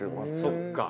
そっか。